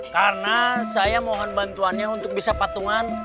karena saya mohon bantuannya untuk bisa patungan